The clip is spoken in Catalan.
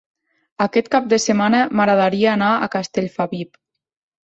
Aquest cap de setmana m'agradaria anar a Castellfabib.